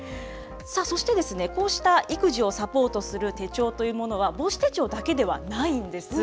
そして、こうした育児をサポートする手帳というものは、母子手帳だけではないんです。